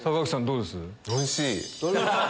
どうです？